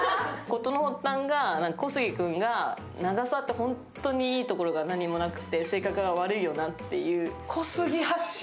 事の発端が小杉君が、永沢って本当にいいところがなくて性格が悪いよなっていう。